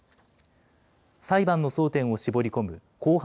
裁判の争点を絞り込む公判